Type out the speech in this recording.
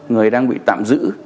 người đang bị tạm giữ